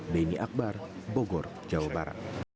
beni akbar bogor jawa barat